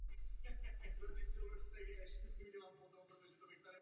Absolvoval střední školu v Plovdivu.